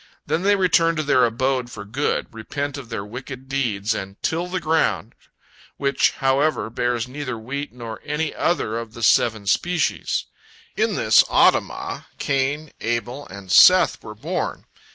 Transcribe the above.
Then they return to their abode for good, repent of their wicked deeds, and till the ground, which, however, bears neither wheat nor any other of the seven species. In this Adamah, Cain, Abel, and Seth were born.